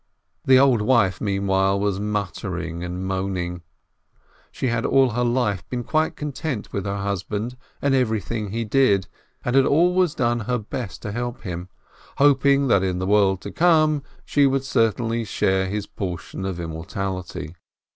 The old wife, meanwhile, was muttering and moaning. She had all her life been quite content with her husband and everything he did, and had always done her best to help him, hoping that in the world to come she would certainly share his portion of immortality.